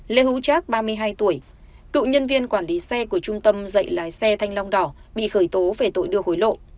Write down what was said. lê hữu trác ba mươi hai tuổi cựu nhân viên quản lý xe của trung tâm dạy lái xe thanh long đỏ bị khởi tố về tội đưa hối lộ